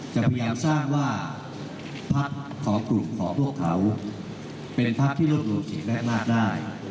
พยายามสร้างว่าพักของกลุ่มของพวกเขาเป็นพักที่รวบรวมเสียงได้มากได้